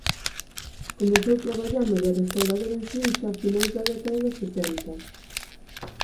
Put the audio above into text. Comezou traballando de restaurador en Suíza a finais da década dos setenta.